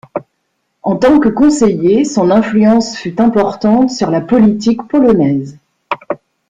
En tant que conseiller son influence fut importante sur la politique polonaise.